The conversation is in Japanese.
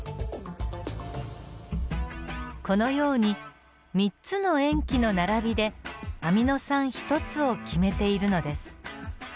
このように３つの塩基の並びでアミノ酸１つを決めているのです。